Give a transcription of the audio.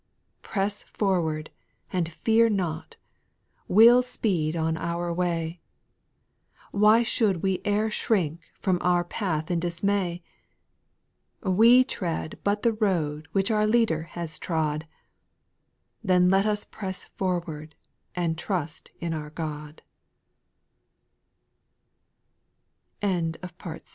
4* Press forward and fear not; we'll speed on our way ; Why should we e'er shrink from our path in dismay ? We tread but the road which our Leader has trod; Then let us press forward, and